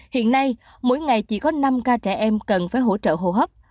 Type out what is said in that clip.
hiện nay mỗi ngày chỉ có năm ca trẻ em cần phải hỗ trợ hồ hấp